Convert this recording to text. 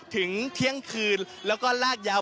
ถึงเที่ยงคืนแล้วก็ลากยาว